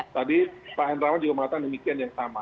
tadi pak hendrawan juga mengatakan demikian yang sama